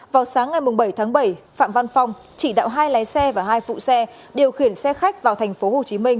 vào sáng ngày bảy tháng bảy phạm văn phong chỉ đạo hai lái xe và hai phụ xe điều khiển xe khách vào tp hcm